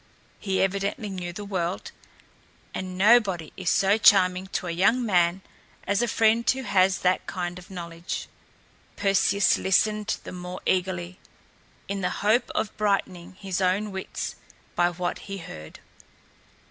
He evidently knew the world; and nobody is so charming to a young man as a friend who has that kind of knowledge. Perseus listened the more eagerly, in the hope of brightening his own wits by what he heard.